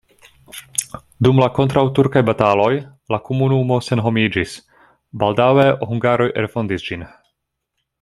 Dum la kontraŭturkaj bataloj la komunumo senhomiĝis, baldaŭe hungaroj refondis ĝin.